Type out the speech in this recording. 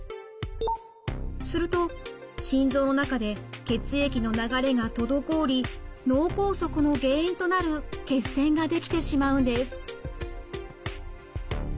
すると心臓の中で血液の流れが滞り脳梗塞の原因となる血栓が出来てしまうんです。